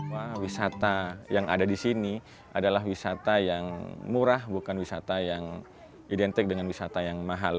bahwa wisata yang ada di sini adalah wisata yang murah bukan wisata yang identik dengan wisata yang mahal